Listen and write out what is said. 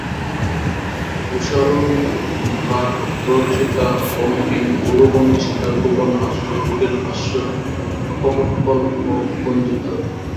রোষারুণরাগরঞ্জিতা বঙ্কিম-ভুরু-ভঞ্জিতা, গোপনহাস্য -কুটিল-আস্য কপটকলহগঞ্জিতা।